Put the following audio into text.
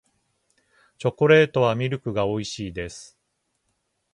チョコレートはミルクが美味しいです